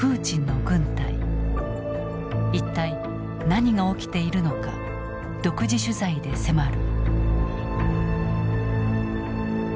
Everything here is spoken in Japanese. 一体何が起きているのか独自取材で迫る。